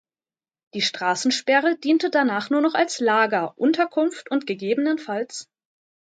Die Straßensperre diente danach nur noch als Lager, Unterkunft und ggf.